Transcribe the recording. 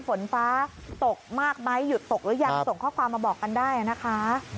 ฝนฟ้าตกมากไหมหยุดตกหรือยังส่งข้อความมาบอกกันได้นะคะ